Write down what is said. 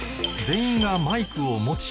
全員がマイクを持ち